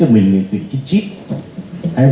hải quan nghị định thực sự nghị định sở hữu phạm chính